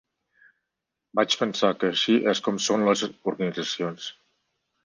Vaig pensar que així és com són les organitzacions.